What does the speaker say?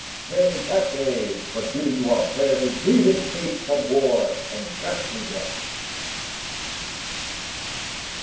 Then in that day were given to our prayers A breathing space from war and ghastly death."